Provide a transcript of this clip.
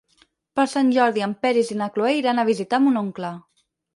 Per Sant Jordi en Peris i na Cloè iran a visitar mon oncle.